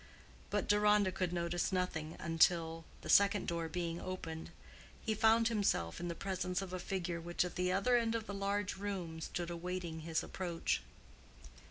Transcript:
But Deronda could notice nothing until, the second door being opened, he found himself in the presence of a figure which at the other end of the large room stood awaiting his approach.